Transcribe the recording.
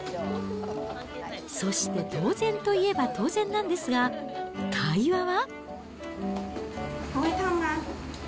そして当然と言えば当然なんですが、会話は？